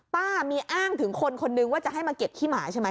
ป้ามีอ้างถึงคนคนนึงว่าจะให้มาเก็บขี้หมาใช่ไหม